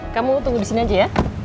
kamu tunggu disini aja ya